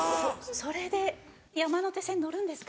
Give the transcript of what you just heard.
それで山手線乗るんですか？